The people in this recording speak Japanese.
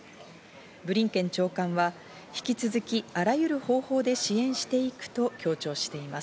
ブリンケン長官は引き続き、あらゆる方法で支援していくと強調しています。